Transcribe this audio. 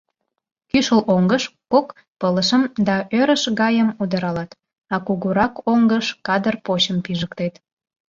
Кӱшыл оҥгыш кок пылышым да ӧрыш гайым удыралат, а кугурак оҥгыш кадыр почым пижыктет.